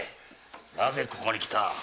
なぜここに来た？